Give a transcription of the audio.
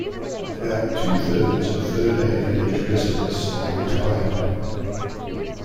About two-thirds of Verde Village residents are retired.